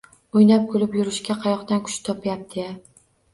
O`ynab-kulib yurishga qayoqdan kuch topyapti-ya